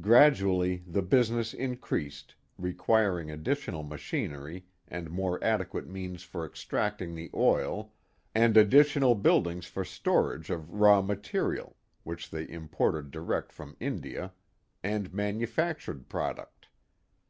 Gradually the business in ^^^H creased, requiring additional machinery and more adequate ^^^" means for extracting the oil and additional buildings for r storage of raw material (which they imported direct from India) and manufactured product.